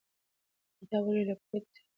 که کتاب ولولې پوهه دې زیاتیږي.